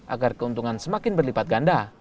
agar keuntungan semakin berlipat ganda